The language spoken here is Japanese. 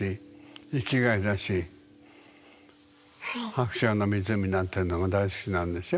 「白鳥の湖」なんていうのが大好きなんでしょ？